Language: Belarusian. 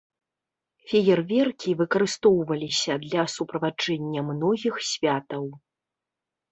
Феерверкі выкарыстоўваліся для суправаджэння многіх святаў.